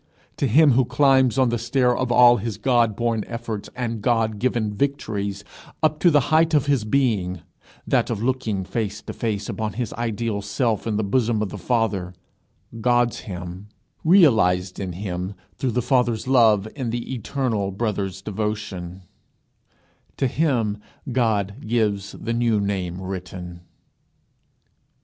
To him who climbs on the stair of all his God born efforts and God given victories up to the height of his being that of looking face to face upon his ideal self in the bosom of the Father God's him, realized in him through the Father's love in the Elder Brother's devotion to him God gives the new name written.